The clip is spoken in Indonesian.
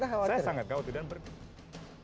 saya sangat khawatir dan pergi